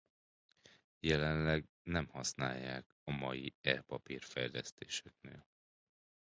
Jelenleg nem használják a mai e-papír fejlesztéseknél.